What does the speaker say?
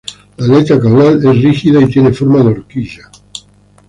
La aleta caudal es rígida y tiene forma de horquilla.